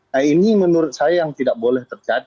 nah ini menurut saya yang tidak boleh terjadi